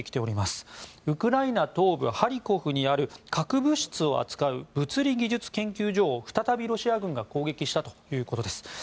ウクライナ東部、ハリコフにある核物質を扱う物理技術研究所を再びロシア軍が攻撃したということです。